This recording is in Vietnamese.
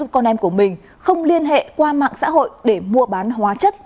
con em của mình không liên hệ qua mạng xã hội để mua bán hóa chất